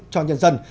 cho nhân dân